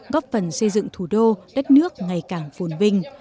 góp phần xây dựng thủ đô đất nước ngày càng phồn vinh